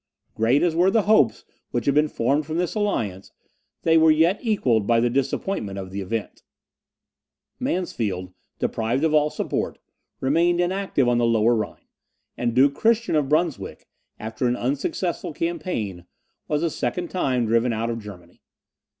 Great as were the hopes which had been formed from this alliance, they were yet equalled by the disappointment of the event. Mansfeld, deprived of all support, remained inactive on the Lower Rhine; and Duke Christian of Brunswick, after an unsuccessful campaign, was a second time driven out of Germany.